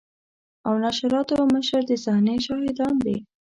او نشراتو مشر د صحنې شاهدان دي.